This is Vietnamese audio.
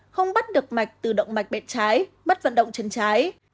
không bắt được mạch từ động mạch bẹt trái bắt vận động chân trái